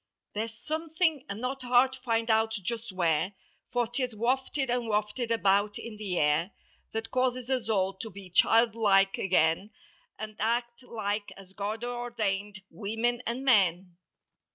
There's something, and not hard to find out just where For 'tis wafted and wafted about in the air, That causes us all to be child like again And act like (as God ordained) women and men.